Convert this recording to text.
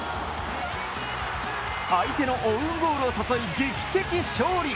相手のオウンゴールを誘い、劇的勝利。